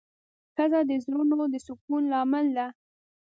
ښځه د زړونو د سکون لامل ده.